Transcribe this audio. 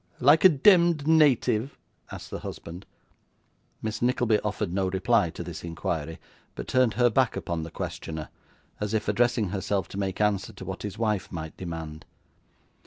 'Like a demd native?' asked the husband. Miss Nickleby offered no reply to this inquiry, but turned her back upon the questioner, as if addressing herself to make answer to what his wife might demand.